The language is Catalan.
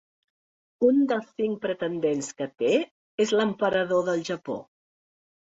Un dels cinc pretendents que té és l’emperador del Japó.